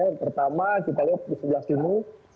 yang pertama kita lihat di sebelah sini